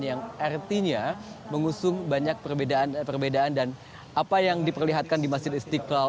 yang artinya mengusung banyak perbedaan dan apa yang diperlihatkan di masjid istiqlal